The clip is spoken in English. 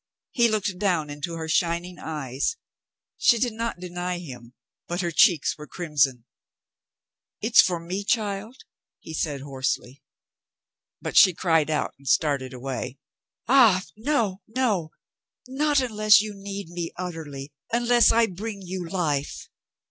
He looked down into her shining eyes. She did not deny him, but her cheeks were crimson. "It's for me, child?" he said hoarsely. COLONEL STOW EXPLAINS HIMSELF 465 But she cried out, she started away. "Ah, no, no ! Not unless you need me utterly, unless I bring you life."